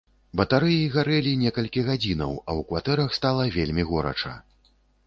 Батарэі грэлі некалькі гадзінаў, а ў кватэрах стала вельмі горача.